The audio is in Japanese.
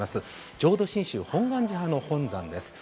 浄土真宗本願寺派の寺院です。